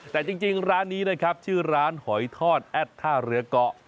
แต่จริงร้านนี้ชื่อร้านหอยทอดแอ็ดท่าเหลือก๊อก